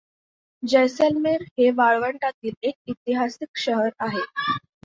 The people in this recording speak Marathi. जेसलमेर हे वाळवंटातील एक ऐतिहासिक शहर आहे.